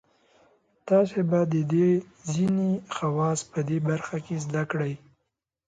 تاسې به د دوی ځینې خواص په دې برخه کې زده کړئ.